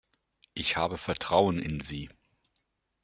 Ich habe Vertrauen in Sie!